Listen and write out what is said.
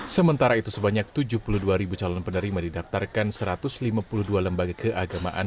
sementara itu sebanyak tujuh puluh dua ribu calon penerima didaftarkan satu ratus lima puluh dua lembaga keagamaan